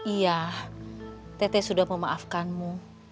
iya tete sudah memaafkanmu